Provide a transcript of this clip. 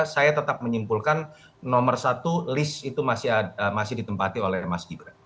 saya tetap menyimpulkan nomor satu list itu masih ditempati oleh mas gibran